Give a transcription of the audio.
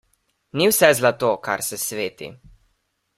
Ni vse zlato, kar se sveti.